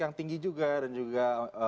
yang tinggi juga dan juga